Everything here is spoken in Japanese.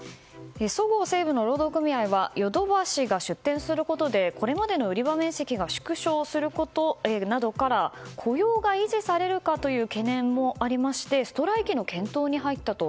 そごう・西武の労働組合はヨドバシが出店することでこれまでの売り場面積が縮小することなどから雇用が維持されるかという懸念もありましてストライキの検討に入ったと。